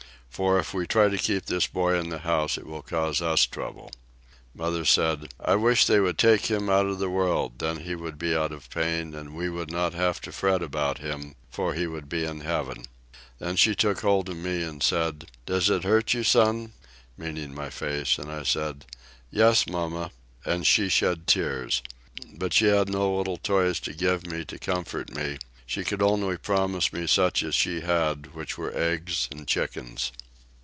for if we try to keep this boy in the house it will cause us trouble." Mother said, "I wish they would take him out of the world, then he would be out of pain, and we should not have to fret about him, for he would be in heaven." Then she took hold of me and said, "Does it hurt you, son?" meaning my face, and I said, "Yes, mamma," and she shed tears; but she had no little toys to give me to comfort me; she could only promise me such as she had, which were eggs and chickens.